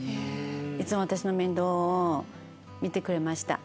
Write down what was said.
いつも私の面倒を見てくれました。